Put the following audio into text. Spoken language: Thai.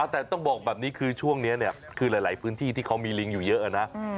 แต่ต้องบอกแบบนี้คือช่วงนี้เนี่ยคือหลายพื้นที่ที่เขามีลิงอยู่เยอะนะ